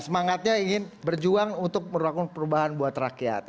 semangatnya ingin berjuang untuk melakukan perubahan buat rakyat